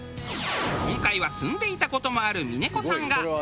今回は住んでいた事もある峰子さんが。